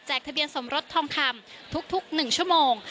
ทะเบียนสมรสทองคำทุก๑ชั่วโมง